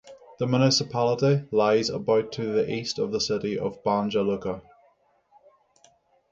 The municipality lies about to the east of the city of Banja Luka.